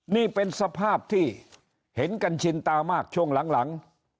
นี่เป็นสภาพที่เห็นกันชินตามากช่วงหลัง